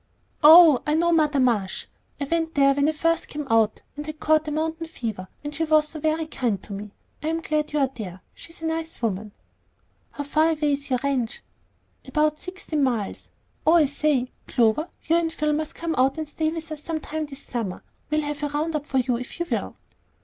"Oh, I know Mother Marsh. I went there when I first came out, and had caught the mountain fever, and she was ever so kind to me. I'm glad you are there. She's a nice woman." "How far away is your ranch?" "About sixteen miles. Oh, I say, Clover, you and Phil must come out and stay with us sometime this summer. We'll have a round up for you if you will."